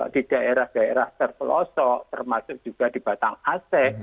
di daerah daerah terpelosok termasuk juga di batang ac